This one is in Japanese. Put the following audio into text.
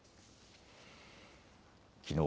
きのう